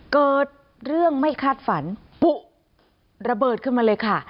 เกิดเรื่องไม่คาดฝันปุ๊ระเบิดขึ้นมาเลยค่ะ